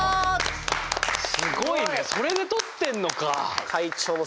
すごいねそれで取ってんのか！